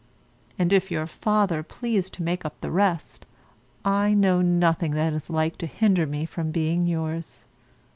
And if your father please to make up the rest, I know nothing that is like to hinder me from being yours.